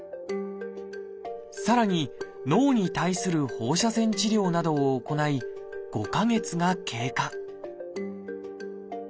さらに脳に対する放射線治療などを行い５か月が経過。